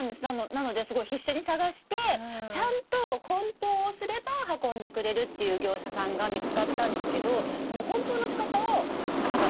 なので必死に探してちゃんとこん包をすれば運んでくれるっていう業者さんが見つかったんですけどそのこん包のしかたをタカさん